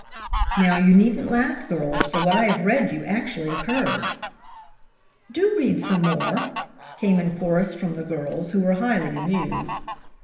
"Now, you needn't laugh girls, for what I have read you actually occurred." "Do read some more," came in chorus from the girls, who were highly amused.